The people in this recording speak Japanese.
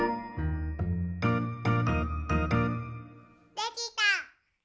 できた！